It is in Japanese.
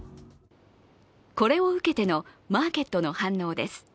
これを受けてのマーケットの反応です。